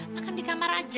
makan di kamar aja